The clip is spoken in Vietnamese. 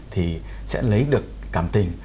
thì sẽ lấy được cảm tình